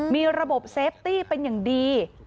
มีระบบเซฟตี้เป็นอย่างดี